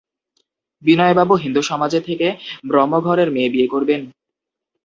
বিনয়বাবু হিন্দুসমাজে থেকে ব্রাহ্মঘরের মেয়ে বিয়ে করবেন?